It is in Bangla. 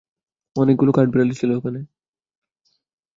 অনেকগুলো কাঠবিড়ালি ছিল ওখানে।